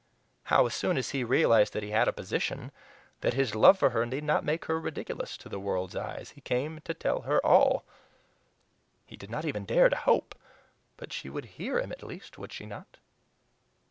How as soon as he realized that he had a position, that his love for her need not make her ridiculous to the world's eyes, he came to tell her ALL. He did not even dare to hope! But she would HEAR him at least, would she not?